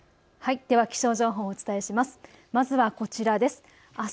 では気象情報をお伝えします。